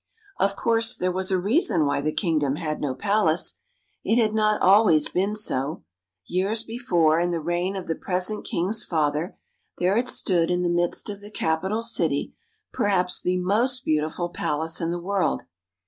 Of course there was a reason why the kingdom had no palace. It had not always been so. Years before, in the reign of the present king's father, there had stood in the midst of the capital city perhaps the most beauti ful palace in the world.